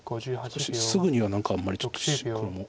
すぐには何かあんまりちょっと黒も。